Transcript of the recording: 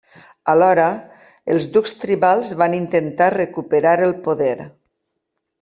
Alhora, els ducs tribals van intentar recuperar el poder.